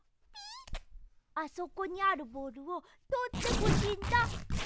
ピイ？あそこにあるボールをとってほしいんだ！